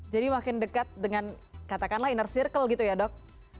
jadi makin dekat dengan katakanlah inner circle gitu ya dok